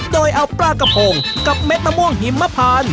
โดยเอาปลากระพงกับเม็ดมะม่วงหิมมะพาน